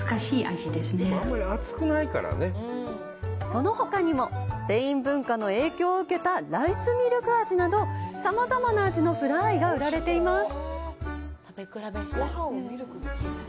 そのほかにもスペイン文化の影響を受けたライスミルク味などさまざまな味のフラーイが売られています！